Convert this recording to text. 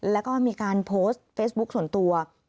แล้วก็มีการโพสต์เฟซบุ๊คส่วนตัว